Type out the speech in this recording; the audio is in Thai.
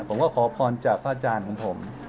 ผมก็ขอพรจากพระอาจารย์ของผม